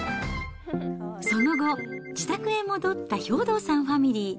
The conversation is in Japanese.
その後、自宅へ戻った兵働さんファミリー。